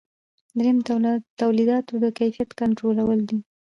دریم د تولیداتو د کیفیت کنټرولول دي.